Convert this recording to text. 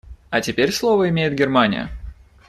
А теперь слово имеет Германия.